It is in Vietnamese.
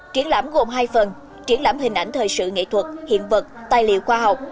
triển lãm gồm hai phần triển lãm hình ảnh thời sự nghệ thuật hiện vật tài liệu khoa học